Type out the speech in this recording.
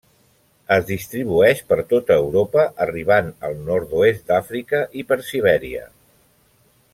Es distribueix per tota Europa, arribant al Nord-oest d'Àfrica i per Sibèria.